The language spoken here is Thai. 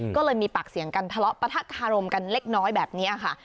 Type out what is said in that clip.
ก็เลยมีปากเสียงกันทะเลาะล้อเล็กน้อยแบบนี้ค่ะ